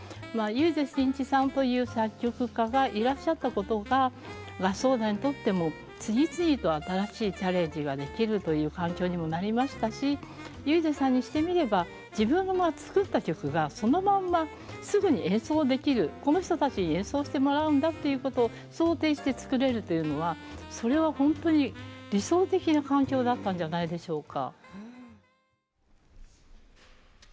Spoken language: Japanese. まあ唯是震一さんという作曲家がいらっしゃったことが合奏団にとっても次々と新しいチャレンジができるという環境にもなりましたし唯是さんにしてみれば自分が作った曲がそのまんますぐに演奏できるこの人たちに演奏してもらうんだっていうことを想定して作れるというのはそれは本当に理想的な環境だったんじゃないでしょうか。